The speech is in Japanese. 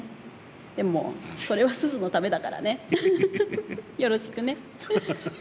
でも、それはスズのためだからねよろしくね。